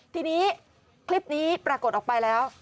ทีนี้คลิปนี้ปรากฏออกไปแล้ว